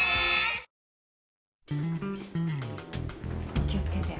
お気を付けて。